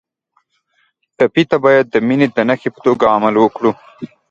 ټپي ته باید د مینې د نښې په توګه عمل وکړو.